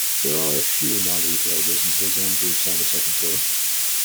There are a few non-retail businesses and groups on the second floor.